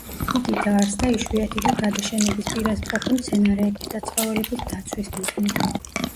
იგი დაარსდა იშვიათი და გადაშენების პირას მყოფი მცენარეების და ცხოველების დაცვის მიზნით.